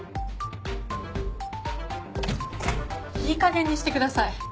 いいかげんにしてください！